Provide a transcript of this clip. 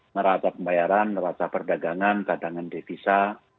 merata pembayaran merata perdagangan kadangan devisa